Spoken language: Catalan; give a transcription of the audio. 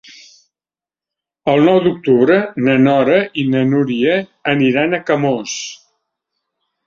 El nou d'octubre na Nora i na Núria aniran a Camós.